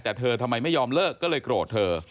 แต่เธอทำไมไม่ยอมเลิกก็เลยโกรธเธอ